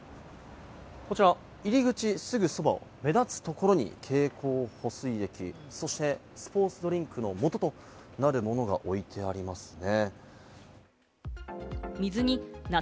こちら、入り口すぐそば、目立つところに経口補水液、そしてスポーツドリンクの素となるものが置いてありますね。